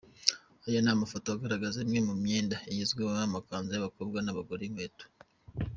Aya ni amafoto agaragaza imwe mu myenda igezweho ,amakanzu y’abakobwa n’abagore, inkweto,….